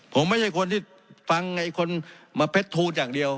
ผมไม่ใช่คนที่ฟังไอ้คนมาเพชรทูลอย่างเดียว